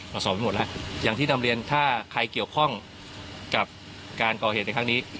สอบไปหมดแล้วอย่างที่นำเรียนถ้าใครเกี่ยวข้องกับการก่อเหตุในครั้งนี้